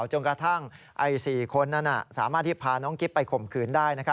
จนกระทั่ง๔คนนั้นสามารถที่พาน้องกิ๊บไปข่มขืนได้